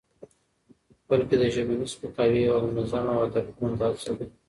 بلکې د ژبني سپکاوي یوه منظمه او هدفمنده هڅه ده؛